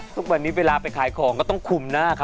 ทุกวันนี้เวลาไปขายของก็ต้องคุมหน้าเขา